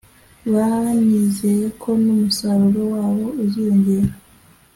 banizeye ko n’umusaruro wabo uziyongera